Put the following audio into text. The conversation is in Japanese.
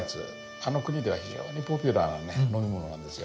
あの国では非常にポピュラーなね飲み物なんですよ。